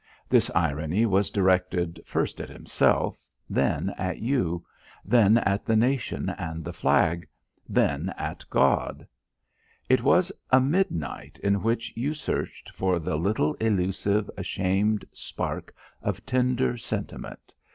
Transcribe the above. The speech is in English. This irony was directed first at himself; then at you; then at the nation and the flag; then at God. It was a midnight in which you searched for the little elusive, ashamed spark of tender sentiment.